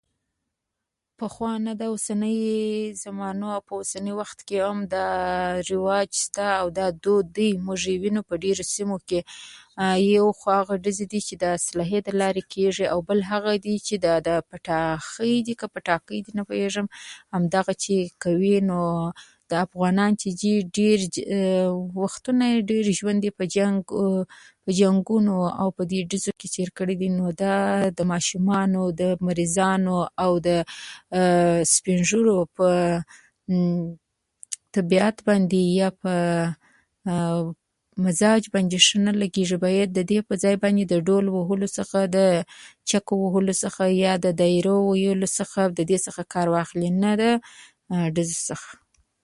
پخوا نه ده، اوسنۍ زمانو، په اوسني وخت کې هم دا رواج شته، دا دود دی، موږ یې وینو. په ډېرو سیمو کې له یوې خوا هغه ډزې دي چې د اسلحې له لارې کېږي، او بل هغه دي چې پتاخۍ دي، که پټاقۍ دي، نه پوهېږم، همدا چې کوي. نو افغانان چې دي، نو ډېر وختونه یې، ډېر ژوند یې په جنګ، په جنګونو کې او په دې ډزو کې تېر کړی دی. نو دا ماشومان، د مریضانو او د سپین ږیرو په طبیعت باندې، یا په مزاج باندې ښه نه لګېږي. باید د دې پر ځای د ډول وهلو، چکچکو وهلو څخه، یا د دریا وهلو څخه، یا د دې څخه کار واخلي، نه د ډزو څخه.